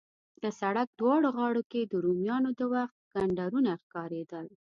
د سړک دواړو غاړو کې د رومیانو د وخت کنډرونه ښکارېدل.